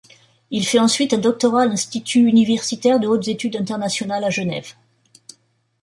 Il fait ensuite un doctorat à l’Institut universitaire de hautes études internationales à Genève.